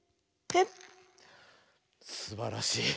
すばらしい。